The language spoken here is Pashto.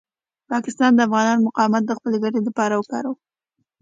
پاکستان د افغانانو مقاومت د خپلې ګټې لپاره وکاروه.